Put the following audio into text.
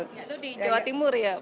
itu di jawa timur ya